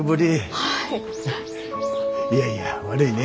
いやいや悪いね。